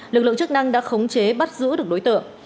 lực lượng chức năng đã khống chế bắt giữ được đối tượng